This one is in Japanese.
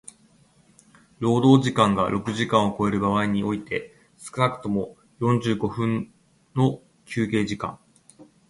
労働時間が六時間を超える場合においては少くとも四十五分の休憩時間